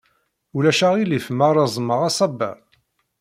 Ulac aɣilif ma reẓmeɣ asaber?